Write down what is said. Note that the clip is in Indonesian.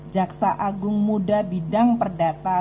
jaksa agung muda bidang perdata